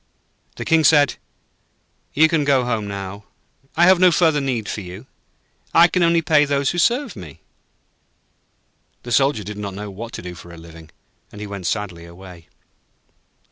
The King said: 'You can go home now. I have no further need for you. I can only pay those who serve me.' The Soldier did not know what to do for a living, and he went sadly away.